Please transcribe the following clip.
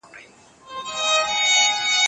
نظري پوهه بايد عملي ګټه ولري.